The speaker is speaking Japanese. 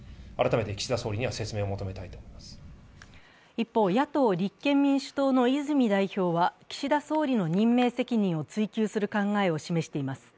一方、野党・立憲民主党の泉代表は岸田総理の任命責任を追及する考えを示しています。